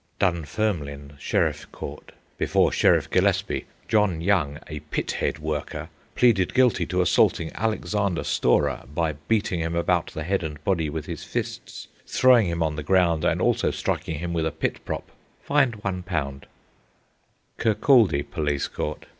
Dunfermline Sheriff Court. Before Sheriff Gillespie. John Young, a pit head worker, pleaded guilty to assaulting Alexander Storrar by beating him about the head and body with his fists, throwing him on the ground, and also striking him with a pit prop. Fined £1. Kirkcaldy Police Court.